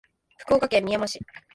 福岡県みやま市